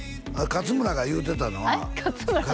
勝村が言うてたのはあれ？